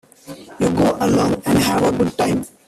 You go along and have a good time.